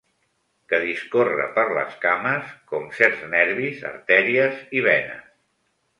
Que discorre per les cames, com certs nervis, artèries i venes.